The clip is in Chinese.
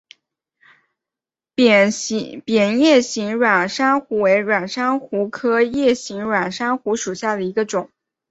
辐叶形软珊瑚为软珊瑚科叶形软珊瑚属下的一个种。